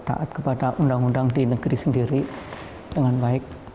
taat kepada undang undang di negeri sendiri dengan baik